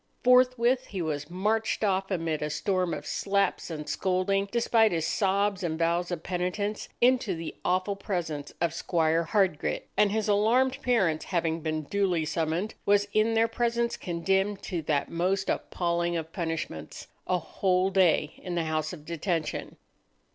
Forthwith he was marched off, amid a storm of slaps and scolding, despite his sobs and vows of penitence, into the awful presence of Squire Hardgrit, and, his alarmed parents having been duly summoned, was in their presence condemned to that most appalling of punishments—a whole day in the house of detention!